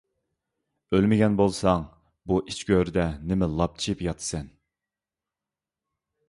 ئۆلمىگەن بولساڭ، بۇ ئىچ گۆردە نېمە لاپچىيىپ ياتىسەن؟